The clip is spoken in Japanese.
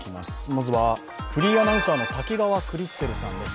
まずは、フリーアナウンサーの滝川クリステルさんです。